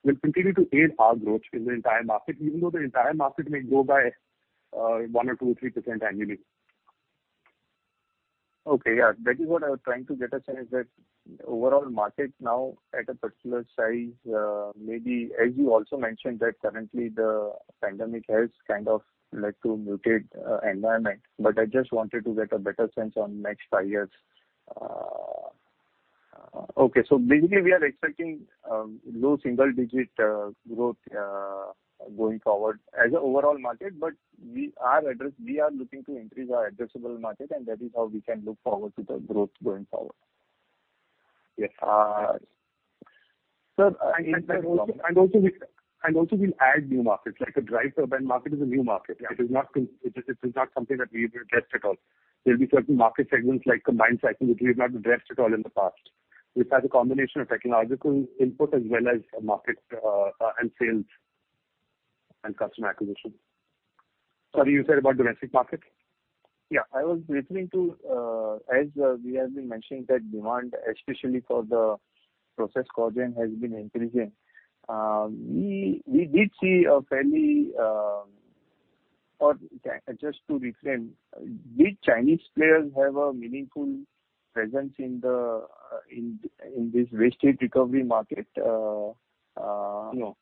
will continue to aid our growth in the entire market, even though the entire market may grow by 1% or 2% or 3% annually. Okay. Yeah. That is what I was trying to get a sense that overall market now at a particular size, maybe as you also mentioned, that currently the pandemic has kind of led to muted environment. I just wanted to get a better sense on next five years. Okay. Basically we are expecting low single digit growth going forward as an overall market, but we are looking to increase our addressable market and that is how we can look forward to the growth going forward. Yes. Sir- Also we'll add new markets, like the drive turbine market is a new market. It is not something that we've addressed at all. There'll be certain market segments like combined cycle, which we've not addressed at all in the past, which has a combination of technological input as well as market and sales and customer acquisition. Sorry, you said about domestic market? Yeah, I was referring to, as we have been mentioning that demand especially for the process cogen has been increasing. Just to reframe, did Chinese players have a meaningful presence in this waste heat recovery market? No.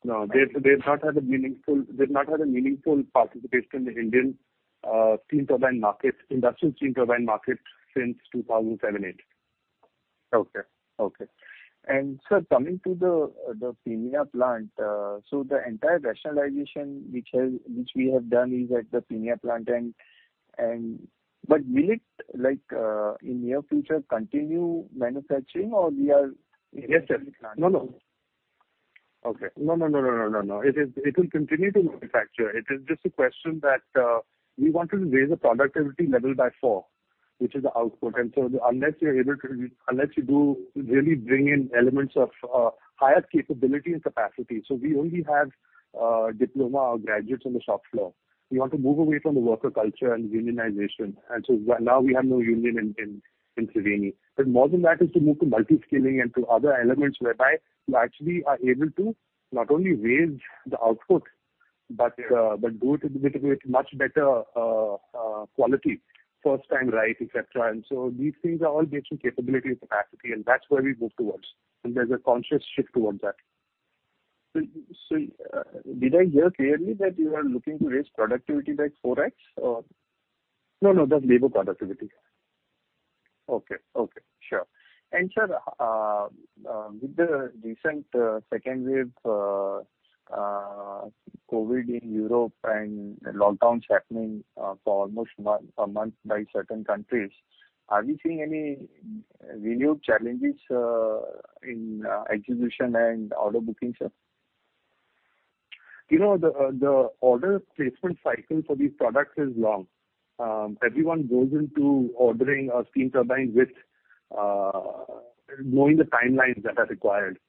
They've not had a meaningful participation in the steam turbine market, steam turbine market since 2007, 2008. Okay. Sir, coming to the Peenya plant. The entire rationalization which we have done is at the Peenya plant. Will it in near future continue manufacturing? Yes, sir. No. Okay. No. It will continue to manufacture. It is just a question that we wanted to raise the productivity level by 4, which is the output. Unless you do really bring in elements of higher capability and capacity. We only have diploma or graduates on the shop floor. We want to move away from the worker culture and unionization. Now we have no union in Triveni. More than that is to move to multi-skilling and to other elements whereby you actually are able to not only raise the output but do it with much better quality, first time right, et cetera. These things are all based on capability and capacity, and that's where we move towards, and there's a conscious shift towards that. Sir, did I hear clearly that you are looking to raise productivity by 4x or? No. Just labor productivity. Okay. Sure. Sir, with the recent second wave COVID in Europe and lockdowns happening for almost a month by certain countries, are we seeing any renewed challenges in execution and order bookings, sir? The order placement cycle for these products is long. Everyone goes into ordering steam turbine with knowing the timelines that are required.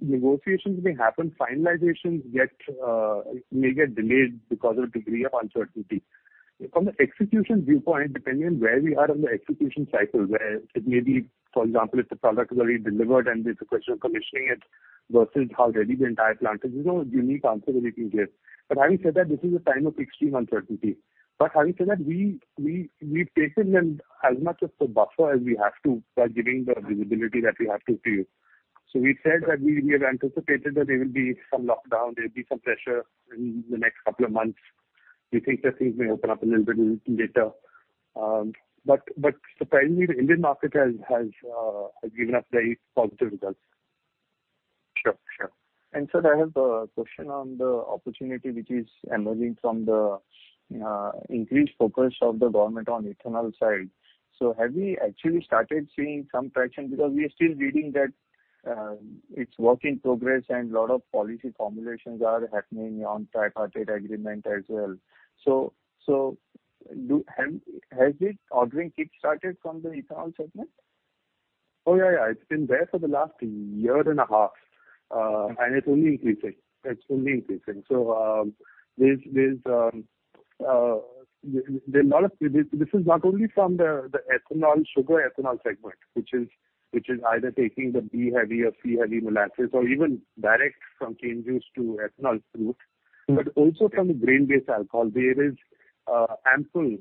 Negotiations may happen, finalizations may get delayed because of degree of uncertainty. From an execution viewpoint, depending on where we are on the execution cycle, where it may be, for example, if the product is already delivered and it's a question of commissioning it versus how ready the entire plant is. There's no unique answer we can give. Having said that, this is a time of extreme uncertainty. Having said that, we've taken in as much of the buffer as we have to by giving the visibility that we have to you. We've said that we have anticipated that there will be some lockdown, there'll be some pressure in the next couple of months. We think that things may open up a little bit later. Surprisingly, the Indian market has given us very positive results. Sure. Sir, I have a question on the opportunity which is emerging from the increased focus of the government on ethanol side. Have we actually started seeing some traction? Because we are still reading that it's work in progress and lot of policy formulations are happening on tripartite agreement as well. Has this ordering kick-started from the ethanol segment? Yeah. It's been there for the last year and a half. It's only increasing. This is not only from the sugar ethanol segment, which is either taking the B-heavy or C-heavy molasses or even direct from cane juice to ethanol route, but also from grain-based alcohol. There is ample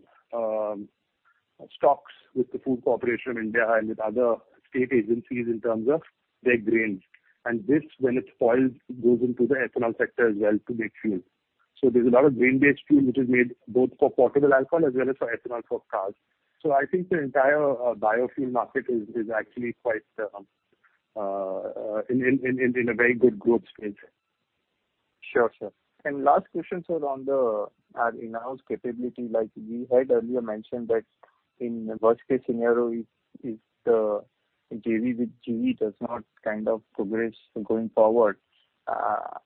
stocks with the Food Corporation of India and with other state agencies in terms of their grains. This, when it spoils, goes into the ethanol sector as well to make fuel. There's a lot of grain-based fuel which is made both for potable alcohol as well as for ethanol for cars. I think the entire biofuel market is actually quite in a very good growth stage. Sure. Last question, sir, on our in-house capability. Like we had earlier mentioned that in worst case scenario, if the JV with GE does not progress going forward, our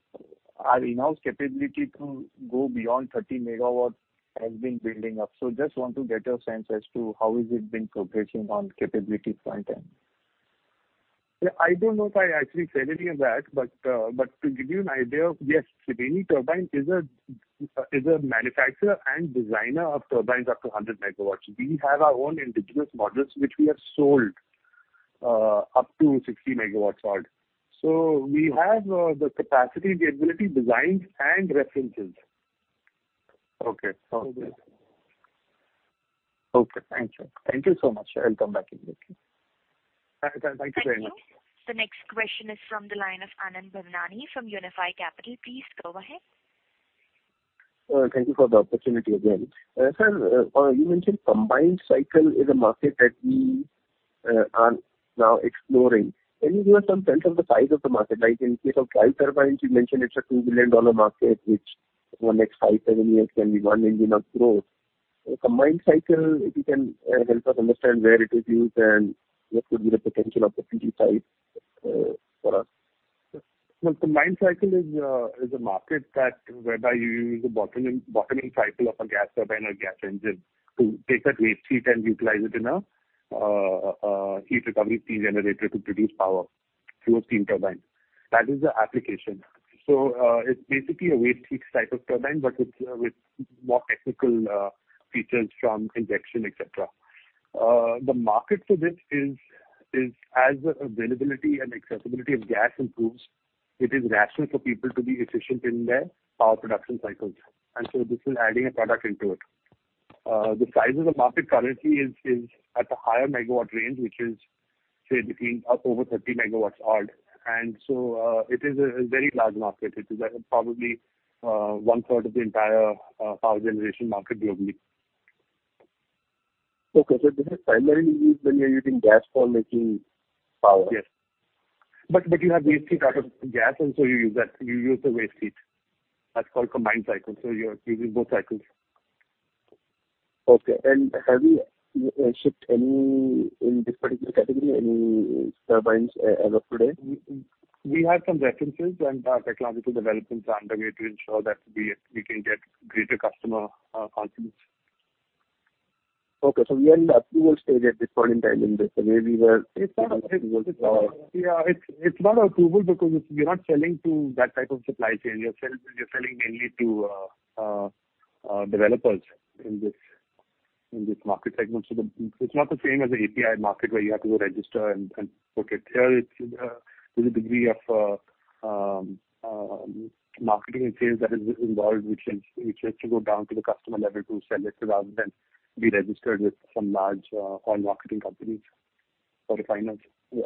in-house capability to go beyond 30 MW has been building up. Just want to get a sense as to how has it been progressing on capability front end. I don't know if I actually said any of that, to give you an idea, yes, Triveni Turbine is a manufacturer and designer of turbines up to 100 megawatts. We have our own indigenous models, which we have sold up to 60 MW odd. We have the capacity, the ability, designs, and references. Okay, sounds good. Okay, thank you. Thank you so much, sir. I'll come back again. Thanks for inviting me. Thank you. The next question is from the line of Anand Bhavnani from Unifi Capital. Please go ahead. Thank you for the opportunity again. Sir, you mentioned combined cycle is a market that we are now exploring. Can you give us some sense of the size of the market? Like in case of drive turbines, you mentioned it's a $2 billion market, which for next five, seven years can be one engine of growth. Combined cycle, if you can help us understand where it is used and what could be the potential opportunity size for us. Combined cycle is a market that whereby you use a bottoming cycle of a gas turbine or gas engine to take that waste heat and utilize it in a heat recovery steam generator to produce power through steam turbine. that is the application. It's basically a waste heat type of turbine, but with more technical features from injection, et cetera. The market for this is, as the availability and accessibility of gas improves, it is rational for people to be efficient in their power production cycles. This is adding a product into it. The size of the market currently is at the higher megawatt range, which is, say, between over 30 megawatts odd. It is a very large market. It is probably 1/3 of the entire power generation market globally. Okay. This is primarily used when you're using gas for making power. Yes. You have waste heat out of gas, you use the waste heat. That's called combined cycle. You're using both cycles. Okay. Have you shipped any, in this particular category, any turbines as of today? We have some references, and technological developments are underway to ensure that we can get greater customer confidence. Okay. We are in the approval stage at this point in time in this. It's not approval because we're not selling to that type of supply chain. You're selling mainly to developers in this market segment. It's not the same as the API market where you have to go register and book it. Here, there's a degree of marketing and sales that is involved, which has to go down to the customer level to sell it rather than be registered with some large oil marketing companies or refiners. Yeah.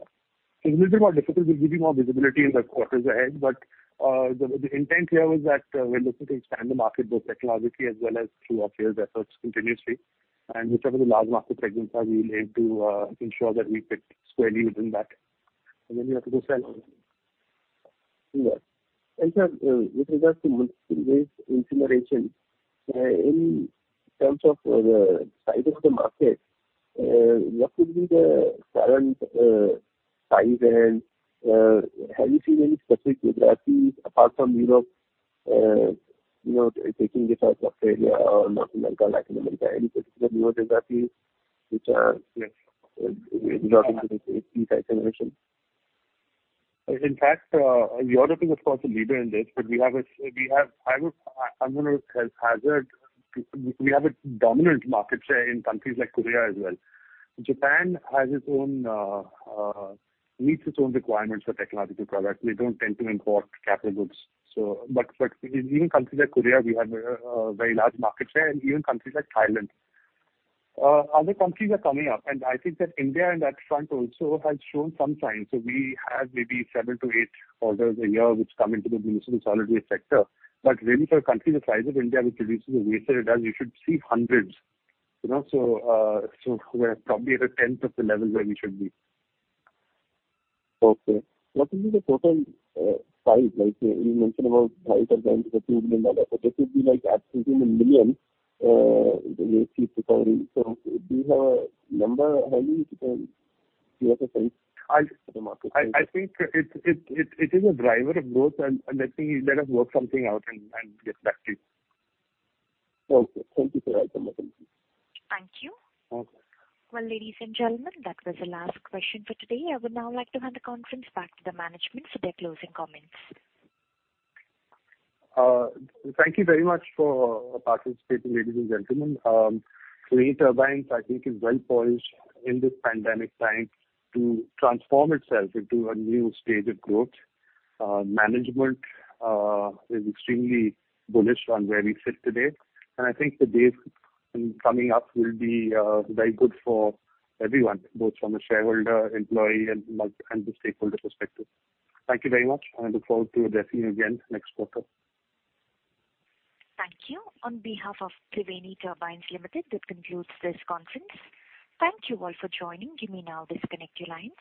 It's a little bit more difficult. We'll give you more visibility in the quarters ahead. The intent here was that we're looking to expand the market both technologically as well as through our sales efforts continuously. Whichever the large market segments are, we aim to ensure that we fit squarely within that. You have to go sell. Yeah. Sir, with regards to municipal waste incineration, in terms of the size of the market, what could be the current size? Have you seen any specific geographies apart from Europe, taking this out of Australia or North America, Latin America, any particular geographies which are. Yes. looking into this heat incineration? In fact, Europe is of course, a leader in this. We have a dominant market share in countries like Korea as well. Japan meets its own requirements for technological products. They don't tend to import capital goods. In countries like Korea, we have a very large market share, and even countries like Thailand. Other countries are coming up, and I think that India on that front also has shown some signs. We have maybe seven to eight orders a year which come into the municipal solid waste sector. Really, for a country the size of India, which produces the waste that it does, you should see hundreds. We're probably at a tenth of the level where we should be. Okay. What would be the total size? You mentioned about drive turbines is a $2 billion, but this would be like absolutely in INR millions, the waste heat recovery. Do you have a number handy which you can give us a sense? I think it is a driver of growth, and let us work something out and get back to you. Okay. Thank you, sir. Welcome. Thank you. Okay. Well, ladies and gentlemen, that was the last question for today. I would now like to hand the conference back to the management for their closing comments. Thank you very much for participating, ladies and gentlemen. Triveni Turbine, I think is well poised in this pandemic time to transform itself into a new stage of growth. Management is extremely bullish on where we sit today, and I think the days coming up will be very good for everyone, both from a shareholder, employee, and the stakeholder perspective. Thank you very much, and I look forward to addressing you again next quarter. Thank you. On behalf of Triveni Turbine Limited, that concludes this conference. Thank you all for joining. You may now disconnect your lines.